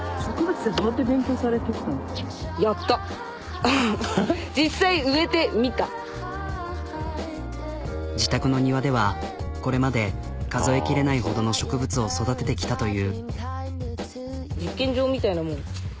ははっ自宅の庭ではこれまで数えきれないほどの植物を育ててきたという。